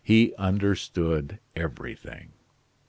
He understood everything.